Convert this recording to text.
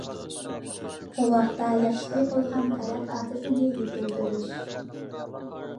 بوۋاقتا ياخشى بولغان تەرەت ئادىتىنى يېتىلدۈرۈش.